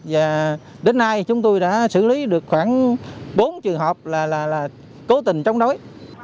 và đến nay chúng tôi đã xử lý được khoảng bốn trường hợp là cố tình chống đối